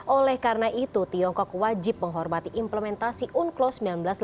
oleh karena itu tiongkok wajib menghormati implementasi unclos seribu sembilan ratus delapan puluh